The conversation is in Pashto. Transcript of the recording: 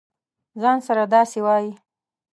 ځـان سره داسې وایې.